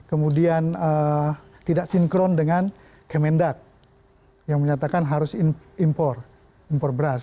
jadi kemudian tidak sinkron dengan kementax yang menyatakan harus impor impor beras